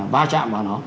ba chạm vào nó